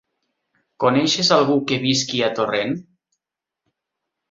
Coneixes algú que visqui a Torrent?